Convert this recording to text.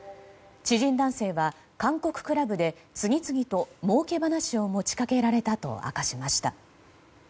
知人男性は韓国クラブで次々と儲け話を持ち掛けられたと明かしました。